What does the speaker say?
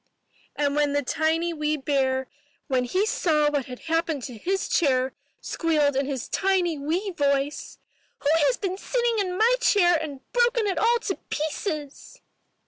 '' And the tiny wee bear, when he saw what had happened to his chair, squealed in his tiny wee voice, 'Who has been sitting in my chair and broken it all to pieces?'